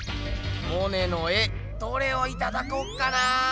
モネの絵どれをいただこうかな？